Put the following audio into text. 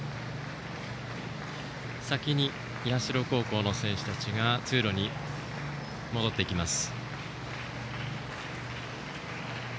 先に社高校の選手たちが通路に戻っていきます。